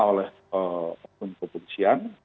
oleh hukum kepolisian